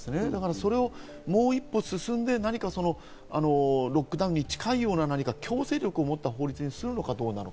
それをもう一歩進んで、何かロックダウンに近いような強制力をもった法律にするのかどうか。